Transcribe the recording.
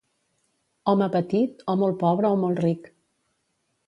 Home petit, o molt pobre o molt ric.